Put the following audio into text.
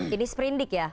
ini sp dua hp ya